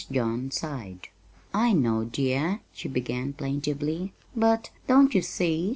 John sighed. "I know, dear," she began plaintively; "but, don't you see?